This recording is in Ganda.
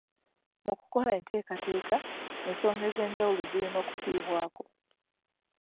Mu kukola enteekateeka, ensonga ez'enjawulo zirina okufiibwako.